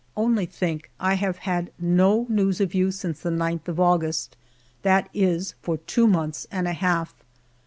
Only think, I have had no news of you since the 9th of August ; that is, for two months and a half.